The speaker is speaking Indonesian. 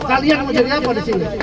kalian mau jadi apa disini